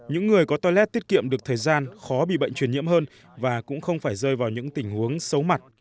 những người có telet tiết kiệm được thời gian khó bị bệnh truyền nhiễm hơn và cũng không phải rơi vào những tình huống xấu mặt